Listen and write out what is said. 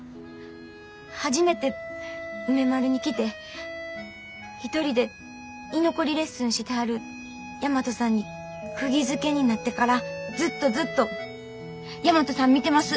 初めて梅丸に来て一人で居残りレッスンしてはる大和さんにくぎづけになってからずっとずっと大和さん見てます。